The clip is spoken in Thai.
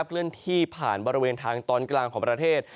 เลื่อนที่ผ่านบริเวณทางตอนกลางของประเทศ